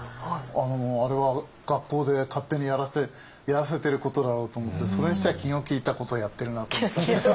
あれは学校で勝手にやらせてることだろうと思ってそれにしては気の利いたことをやってるなと。